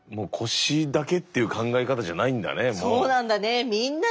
そうなんだね。